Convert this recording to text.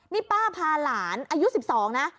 นี่ป้าพาหลานอายุ๑๒นะ